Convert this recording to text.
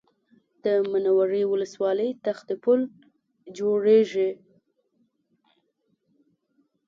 د منورې ولسوالۍ تختو پل جوړېږي